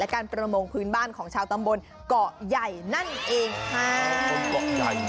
การประมงพื้นบ้านของชาวตำบลเกาะใหญ่นั่นเองค่ะ